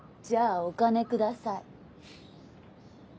じゃあお金ください